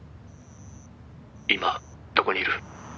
今どこにいる？」